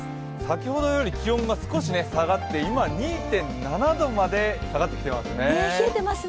先ほどより気温が少し下がって今、２．７度まで下がってきています。